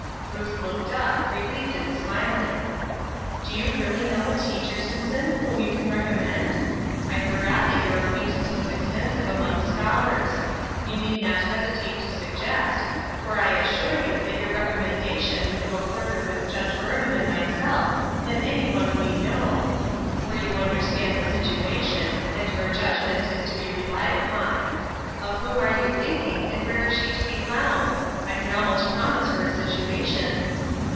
Ruth looked up, relieved and smiling. " Do you really know a teacher, Susan, whom you can recommend ? I forgot that your ac quaintance was extensive among scholars. You need not hesitate to suggest, for I assure you that your recommendation would go further with Judge Burnham and myself than any one we know, for you understand the situation, and y out judgment is to be relied upon. Of whom are you thinking, and where is she to be found? 1 can almost promise her a situation."